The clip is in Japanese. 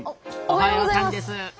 おはようさんです。